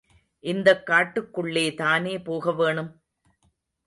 இந்தக் காட்டுக்குள்ளேதானே போக வேணும்?